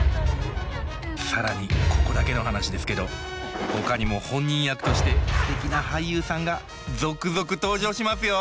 更にここだけの話ですけどほかにも本人役としてすてきな俳優さんが続々登場しますよ。